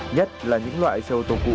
nhất là những loại xe ô tô cũ